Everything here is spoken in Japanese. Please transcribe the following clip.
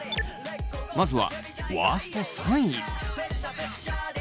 まずはワースト３位。